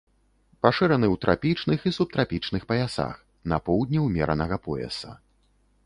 Пашыраны ў трапічных і субтрапічных паясах, на поўдні ўмеранага пояса.